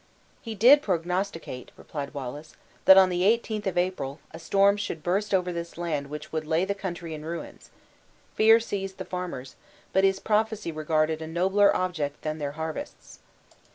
"He did prognosticate," replied Wallace, "that on the eighteenth of April, a storm should burst over this land which would lay the country in ruins. Fear seized the farmers; but his prophecy regarded a nobler object than their harvests.